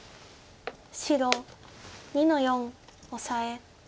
白２の四オサエ。